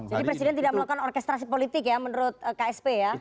jadi presiden tidak melakukan orkestrasi politik ya menurut ksp ya